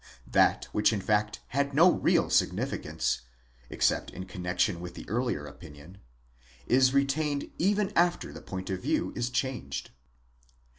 4); that which in fact had no real significance, except in connexion with the earlier opinion, is retained even after the point of view is changed.